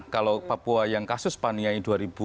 kalau papua yang kasus paniai dua ribu empat belas